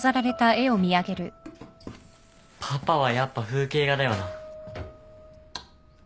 パパはやっぱ風景画だよな。